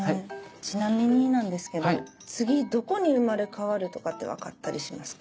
ちなみになんですけど次どこに生まれ変わるとかって分かったりしますか？